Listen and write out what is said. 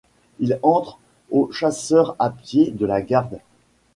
Il entre aux chasseurs à pied de la Garde.